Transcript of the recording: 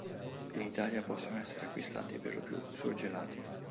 In Italia possono essere acquistati per lo più surgelati.